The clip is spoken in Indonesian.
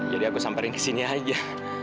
jadi aku samperin ke sini aja